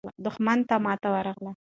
دښمن ته ماته ورغله.